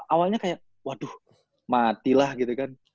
awalnya kayak waduh matilah gitu kan